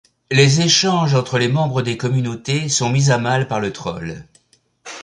Les échanges entre les membres des communautés sont mis à mal par le troll.